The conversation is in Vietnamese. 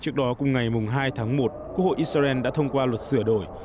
trước đó cùng ngày hai tháng một quốc hội israel đã thông qua luật sửa đổi